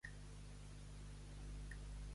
Què va fer la dona que hi havia enfront d'ell?